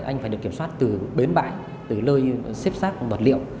anh phải được kiểm soát từ bến bãi từ lơi xếp xác vật liệu